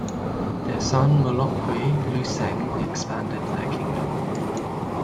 Their son "Mulopwe" Luseeng expanded the kingdom.